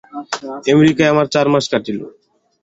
আমেরিকায় আমার চার মাস কাটিল।